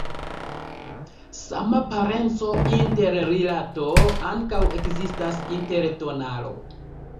Sama parenco-interrilato ankaŭ ekzistas inter tonalo.